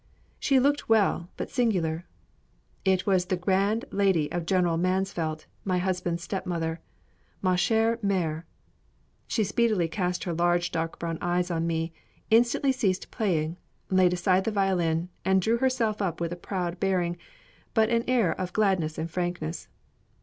She looked well, but singular. It was the lady of General Mansfelt, my husband's stepmother, ma chère mère! She speedily cast her large dark brown eyes on me, instantly ceased playing, laid aside the violin, and drew herself up with a proud bearing, but an air of gladness and frankness.